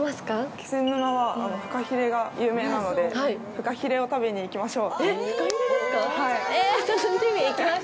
気仙沼はふかひれが有名なのでふかひれを食べに行きましょう。